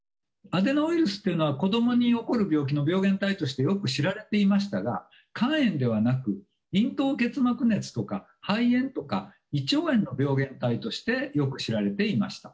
アデノウイルスというのは子供に起こる病気の病原体としてよく知られていましたが肝炎ではなく咽頭結膜熱とか肺炎とか胃腸炎の病原体としてよく知られていました。